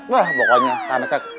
wah pokoknya karena karisma gua tuh